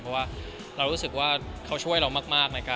เพราะว่ารู้สึกว่าเค้าช่วยเรามาก